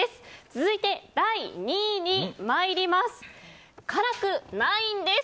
続いて第２位に参ります。